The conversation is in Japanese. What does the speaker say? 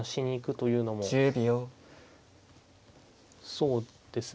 そうですね。